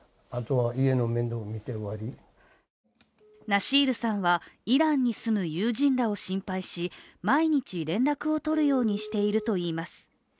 ナシールさんはイランに住む友人らを心配し毎日連絡を取るようにしているといいます。